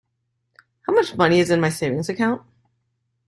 How much money is in my savings account?